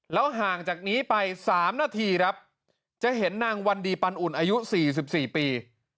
ห่างจากนี้ไป๓นาทีครับจะเห็นนางวันดีปันอุ่นอายุ๔๔ปี